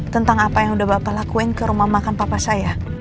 tentang apa yang udah bapak lakuin ke rumah makan papa saya